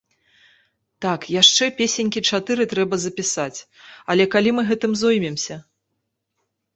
Так, яшчэ песенькі чатыры трэба запісаць, але калі мы гэтым зоймемся!?